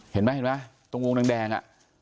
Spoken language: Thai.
เห็นไหมตรงวงดัง